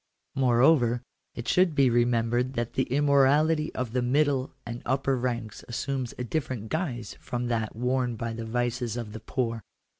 Moreover, it should be remembered that the immorality of the middle and upper ranks assumes a different guise from that worn by the vices of the poor.